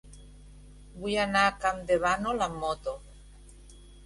Vull anar a Campdevànol amb moto.